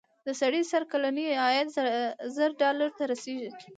د سړي سر کلنی عاید زر ډالرو ته رسېږي.